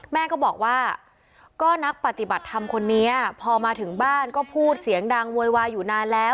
แม่ก็บอกว่าก็นักปฏิบัติธรรมคนนี้พอมาถึงบ้านก็พูดเสียงดังโวยวายอยู่นานแล้ว